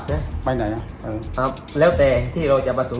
ใช่ไปไหนอ่ะเอออ๋อแล้วแต่ที่เราจะประสงค์